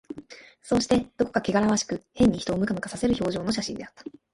そうして、どこかけがらわしく、変に人をムカムカさせる表情の写真であった